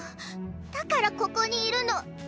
だからここにいるの！え？